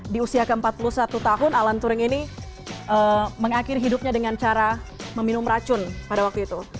di usia ke empat puluh satu tahun alan touring ini mengakhiri hidupnya dengan cara meminum racun pada waktu itu